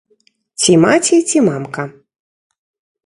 Ці маці, ці мамка.